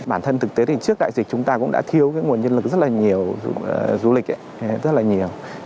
bản thân thực tế thì trước đại dịch chúng ta cũng đã thiếu cái nguồn nhân lực rất là nhiều du lịch rất là nhiều